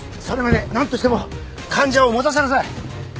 それまで何としても患者を持たせなさい。